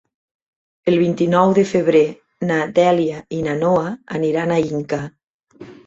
El vint-i-nou de febrer na Dèlia i na Noa aniran a Inca.